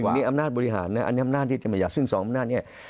หนึ่งอำนาจบุริหารอันนนี้อำนาจที่ทฤมายาสซึ่งสองอำนาจนี่